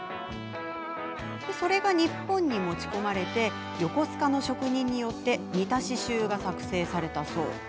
これが日本に持ち込まれ横須賀の職人によって似た刺しゅうが作製されたそう。